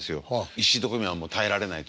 石井と小宮はもう耐えられないと。